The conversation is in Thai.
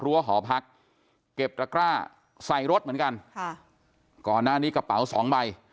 หอพักเก็บตระกร้าใส่รถเหมือนกันค่ะก่อนหน้านี้กระเป๋าสองใบ